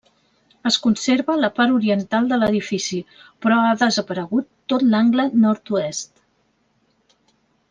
Es conserva la part oriental de l'edifici però ha desaparegut tot l'angle nord-oest.